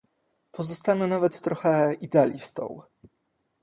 Pozostanę nawet trochę idealistą